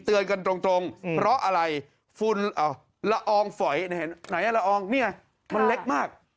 เตือนกันตรงเพราะอะไรละอองฝอยนี่เห็นไหมละอองมันเล็กมาก